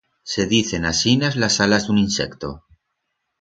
Se dicen asinas las alas d'un insecto.